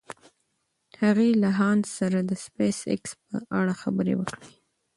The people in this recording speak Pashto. هغې له هانس سره د سپېساېکس په اړه خبرې وکړې.